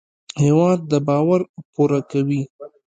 هېواد د باور پوره کوي.